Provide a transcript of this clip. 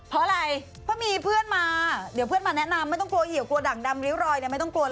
เพราะอะไรเพราะมีเพื่อนมาเดี๋ยวเพื่อนมาแนะนำไม่ต้องกลัวเหี่ยวกลัวดั่งดำริ้วรอยเนี่ยไม่ต้องกลัวเลย